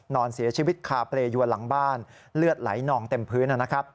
นอนเสียชีวิตคาเปรยวนหลังบ้านเลือดไหลนองเต็มพื้นนะครับ